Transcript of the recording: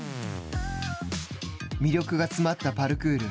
魅力が詰まったパルクール。